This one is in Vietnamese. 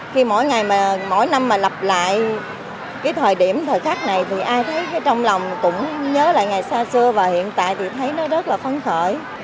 khi mỗi ngày mà mỗi năm mà lập lại cái thời điểm thời khắc này thì ai thấy trong lòng cũng nhớ lại ngày xa xưa và hiện tại thì thấy nó rất là phấn khởi